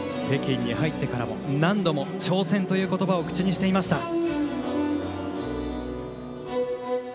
北京に入ってからも何度も挑戦という言葉を口にしていました。